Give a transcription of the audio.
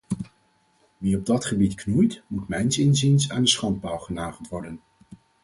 Wie op dat gebied knoeit, moet mijns inziens aan de schandpaal genageld worden.